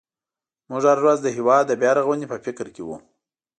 موږ هره ورځ د هېواد د بیا رغونې په فکر کې وو.